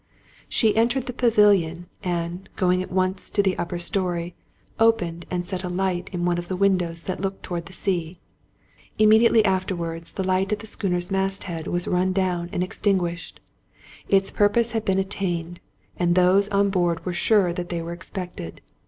She entered the pavilion, and, going at once to the upper story, opened and set a light in one of the windows that looked toward the sea. Immedi ately afterwards the light at the schooner's masthead was run down and extinguished. Its purpose had been attained, and those on board were sure that they were expected.